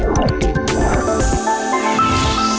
โปรดติดตามตอนต่อไป